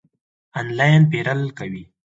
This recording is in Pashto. آنلاین پیرل کوئ؟